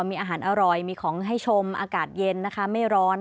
มีอาหารอร่อยมีของให้ชมอากาศเย็นนะคะไม่ร้อน